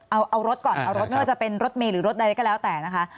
เอารถก่อนเอารถไม่ว่าจะเป็นรถเมย์หรือรถใดก็แล้วแต่นะคะ